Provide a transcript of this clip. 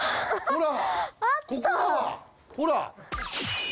ほら。